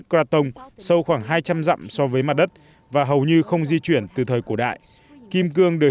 graton sâu khoảng hai trăm linh dặm so với mặt đất và hầu như không di chuyển từ thời cổ đại kim cương được